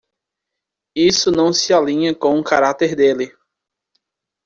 Isso não se alinha com o cárater dele.